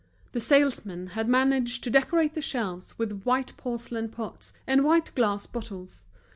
The salesmen had managed to decorate the shelves with white porcelain pots and white glass bottles.